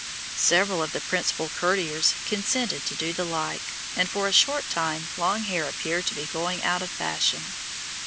Several of the principal courtiers consented to do the like, and for a short time long hair appeared to be going out of fashion.